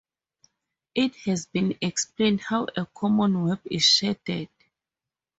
It has been explained how a common web is shedded.